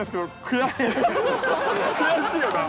悔しいよな？